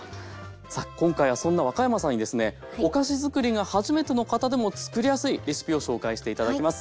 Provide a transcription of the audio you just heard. さあ今回はそんな若山さんにですねお菓子づくりが初めての方でもつくりやすいレシピを紹介して頂きます。